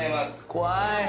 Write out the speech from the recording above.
怖い。